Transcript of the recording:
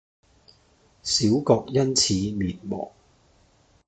小國因此滅亡